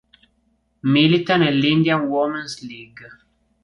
Milita nell'Indian Women's League.